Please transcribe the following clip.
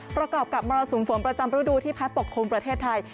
ประกอบกับมรสุมฝนประจำฤดูที่พัดปกคลุมประเทศไทย